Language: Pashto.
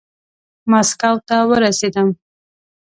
ماسکو ته ورسېدم.